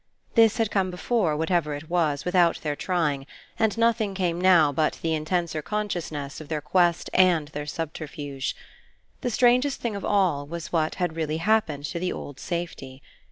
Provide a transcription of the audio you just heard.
This had come before, whatever it was, without their trying, and nothing came now but the intenser consciousness of their quest and their subterfuge. The strangest thing of all was what had really happened to the old safety.